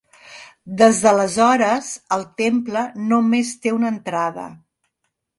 Des d’aleshores el temple només té una entrada.